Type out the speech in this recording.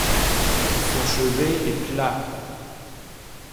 Son chevet est plat.